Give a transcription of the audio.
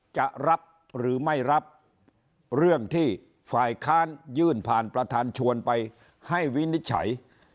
จะรับหรือไม่รับเรื่องที่ฝ่ายค้านยื่นผ่านประธานชวนไปให้วินิจฉัย